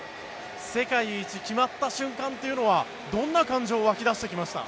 世界一決まった瞬間というのはどんな感情が湧き出してきました？